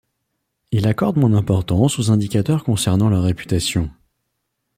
Il accorde moins d'importance aux indicateurs concernant la réputation.